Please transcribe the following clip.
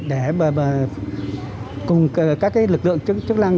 để cùng các cái lực lượng chức lăng